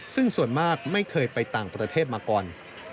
ซึ่งส่วนมากไม่เคยไปต่างประเทศมาก่อน